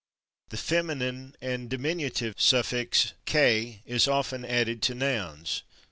The feminine and diminutive suffix / ké/ is often added to nouns.